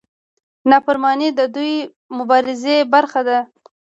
نافرماني د دې مبارزې برخه ده.